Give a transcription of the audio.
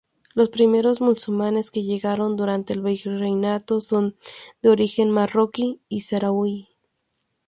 Los primeros musulmanes que llegaron durante el Virreinato, son de origen marroquí y saharaui.